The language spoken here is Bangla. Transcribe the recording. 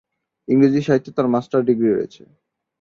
ইংরেজি সাহিত্যে তার মাস্টার ডিগ্রি রয়েছে।